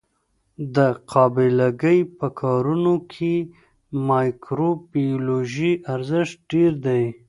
د قابله ګۍ په کارونو کې د مایکروبیولوژي ارزښت ډېر دی.